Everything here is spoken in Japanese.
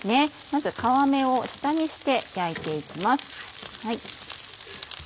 まず皮目を下にして焼いて行きます。